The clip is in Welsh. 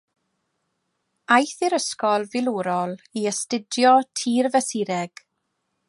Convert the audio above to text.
Aeth i'r ysgol filwrol i astudio tirfesureg.